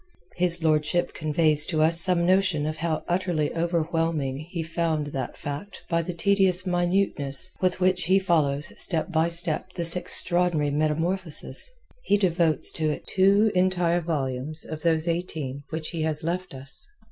His lordship conveys to us some notion of how utterly overwhelming he found that fact by the tedious minuteness with which he follows step by step this extraordinary metamorphosis. He devotes to it two entire volumes of those eighteen which he has left us.